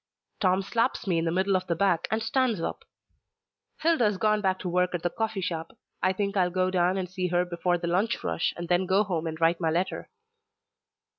Tom slaps me in the middle of the back and stands up. "Hilda's gone back to work at the coffee shop. I guess I'll go down and see her before the lunch rush, and then go home and write my letter."